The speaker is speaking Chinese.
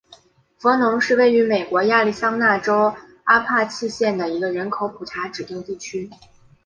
弗农是位于美国亚利桑那州阿帕契县的一个人口普查指定地区。